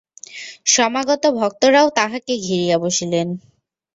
সমাগত ভক্তরাও তাঁহাকে ঘিরিয়া বসিলেন।